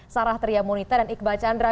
sarah triamonita dan iqbal chandra